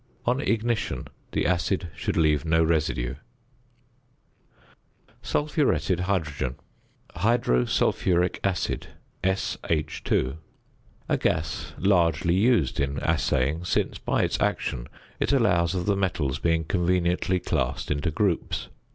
On ignition the acid should leave no residue. [Illustration: FIG. 32.] ~Sulphuretted Hydrogen.~ Hydrosulphuric acid, SH_. A gas largely used in assaying, since by its action it allows of the metals being conveniently classed into groups.